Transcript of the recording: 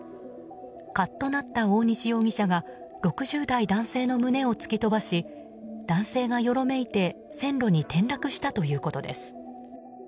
カッとなった大西容疑者が６０代男性の胸を突き飛ばし男性がよろめいて線路に転落したということです。